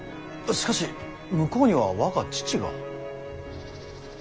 しかし向こうには我が父が。